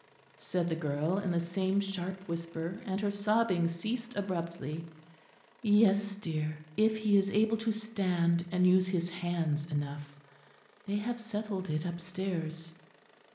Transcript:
said the girl, in the same sharp whisper; and her sobbing ceased abruptly. "Yes, dear; if he is able to stand and use his hands enough. They have settled it upstairs."